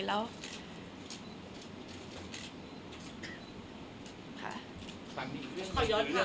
คนเราถ้าใช้ชีวิตมาจนถึงอายุขนาดนี้แล้วค่ะ